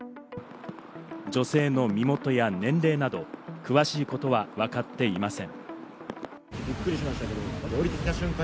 女性の身元や年齢など詳しいことはわかっていません。